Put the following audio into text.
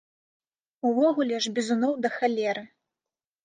Увогуле ж бізуноў да халеры.